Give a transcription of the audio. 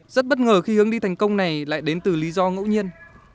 rất bất ngờ khi hướng đi thành công này lại đến từ lý do ngẫu nhiên